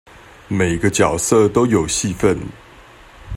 每個角色都有戲份